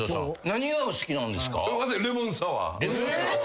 何がお好きなんですか？